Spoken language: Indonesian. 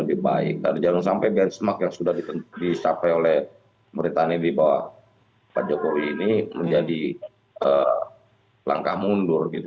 dan jangan sampai benchmark yang sudah disampaikan oleh meritani di bawah pak jokowi ini menjadi langkah mundur